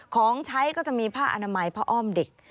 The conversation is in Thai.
ของใช้ก็จะมีผ้าอนามัยผ้าอ้อมเด็ก